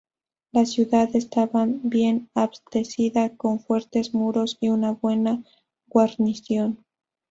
La ciudad estaba bien abastecida, con fuertes muros y una buena guarnición.